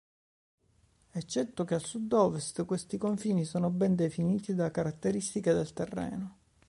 Eccetto che a sud-ovest, questi confini sono ben definiti da caratteristiche del terreno.